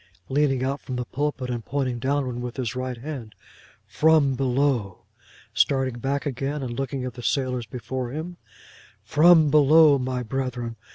'—leaning out of the pulpit, and pointing downward with his right hand: 'From below!'—starting back again, and looking at the sailors before him: 'From below, my brethren.